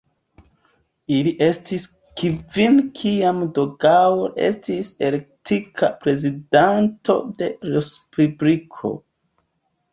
Ili estis kvin kiam de Gaulle estis elektita prezidanto de Respubliko.